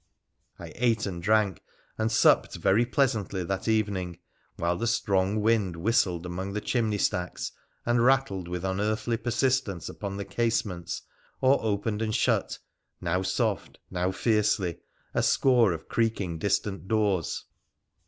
I ate, and drank, and supped very pleasantly that evening, while the strong wind whistled among the chimney stacks and rattled with unearthly persistence upon the casements, or opened and shut, now soft, now fiercely, a score of creaking distant doors.